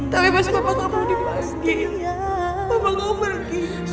tapi pas mama kamu dimaski mama kamu pergi